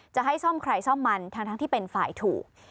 จะให้ซ่อมใครซ่อมมันทั้งที่เป็นฝ่ายถูก